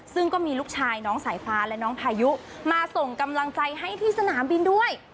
ซึ่งก็มีลูกชายน้องสายฟ้าและน้องพายุมาส่งกำลังใจให้ที่สนามบินด้วย